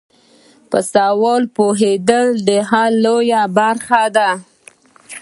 په سوال پوهیدل د حل لویه برخه ده.